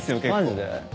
マジで？